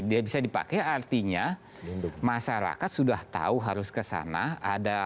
dia bisa dipakai artinya masyarakat sudah tahu harus kesana